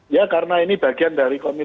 ya karena ini bagian dari komitmen